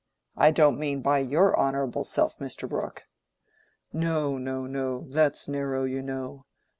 I don't mean by your honorable self, Mr. Brooke." "No, no, no—that's narrow, you know.